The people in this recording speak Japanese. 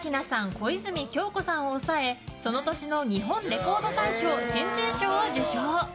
小泉今日子さんを抑えその年の日本レコード大賞新人賞を受賞。